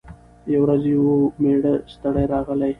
یوه ورځ یې وو مېړه ستړی راغلی